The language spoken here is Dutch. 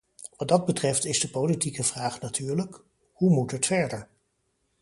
En wat dat betreft is de politieke vraag natuurlijk: hoe moet het verder.